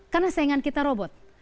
karena saingan kita robot